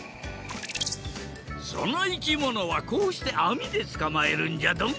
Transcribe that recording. そのいきものはこうしてあみでつかまえるんじゃドン。